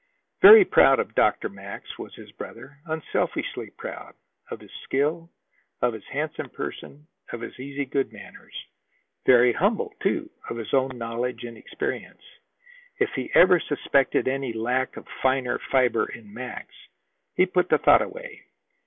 Very proud of Dr. Max was his brother, unselfishly proud, of his skill, of his handsome person, of his easy good manners; very humble, too, of his own knowledge and experience. If he ever suspected any lack of finer fiber in Max, he put the thought away.